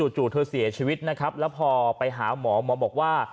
จู่เธอเสียชีวิตนะครับแล้วพอไปหาหมอหมอบอกว่า